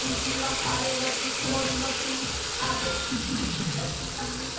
「はれのちくもりのちあめ」